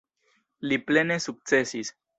Li plene sukcesis.